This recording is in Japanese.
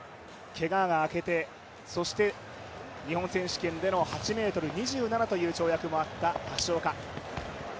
けがが明けて日本選手権での８ｍ２７という跳躍もあった橋岡。